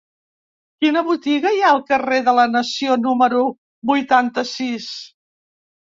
Quina botiga hi ha al carrer de la Nació número vuitanta-sis?